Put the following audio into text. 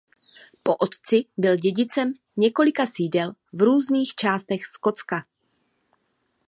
Po otci byl dědicem několika sídel v různých částech Skotska.